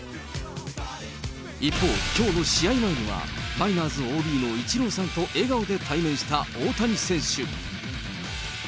一方、きょうの試合前にはマリナーズＯＢのイチローさんと笑顔で対面した大谷選手。